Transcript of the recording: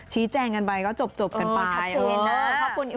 ชี้แจงกันไปก็จบกันไป